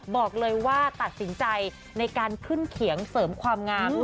บอกเลยว่าตัดสินใจในการขึ้นเขียงเสริมความงาม